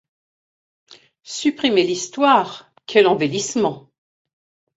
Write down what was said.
Supprimer l’histoire, quel embellissement !